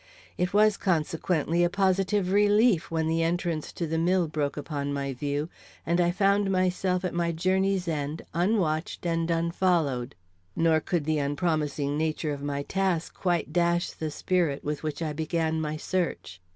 It was consequently a positive relief when the entrance to the mill broke upon my view, and I found myself at my journey's end unwatched and unfollowed; nor could the unpromising nature of my task quite dash the spirit with which I began my search.